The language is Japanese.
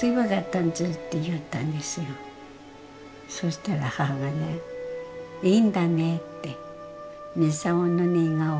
そしたら母がね「いいんだね」って。